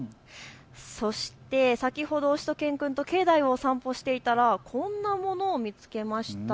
そして先ほどしゅと犬くんと境内を散歩していたらこんなものも見つけました。